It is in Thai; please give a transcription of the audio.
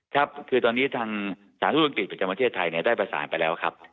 ครับคือตอนนี้ทางสาธุอังกฤษประจำประเทศไทยได้ประสานไปแล้วครับ